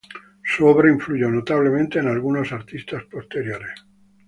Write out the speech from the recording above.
Su obra influyó notablemente en algunos artistas posteriores.